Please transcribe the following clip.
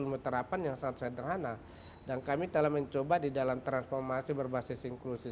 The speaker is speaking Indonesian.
ilmu terapan yang sangat sederhana dan kami telah mencoba di dalam transformasi berbasis inklusi